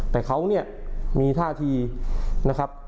แต่เขาเนี่ยมีท่าทีนะครับ